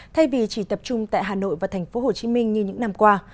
thay vì chỉ tập trung tại hà nội và tp hcm như những năm qua